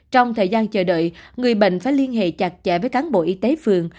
trong thời gian chờ đợi người bệnh phải liên hệ chặt chẽ với cán bộ y tế phường